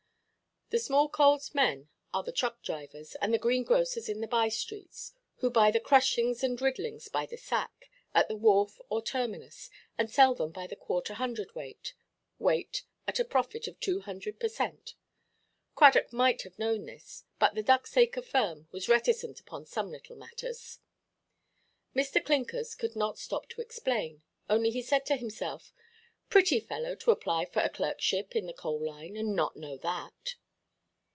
The small–coals men are the truck–drivers and the greengrocers in the by–streets, who buy the crushings and riddlings by the sack, at the wharf or terminus, and sell them by the quarter hundred–weight, weight, at a profit of two hundred per cent. Cradock might have known this, but the Ducksacre firm was reticent upon some little matters. Mr. Clinkers could not stop to explain; only he said to himself, "Pretty fellow to apply for a clerkship in the coal–line, and not know that!"